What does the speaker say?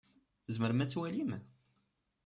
Tzemrem ad twalim?